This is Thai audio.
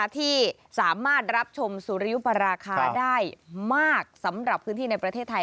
ที่สามารถรับชมสุริยุปราคาได้มากสำหรับพื้นที่ในประเทศไทย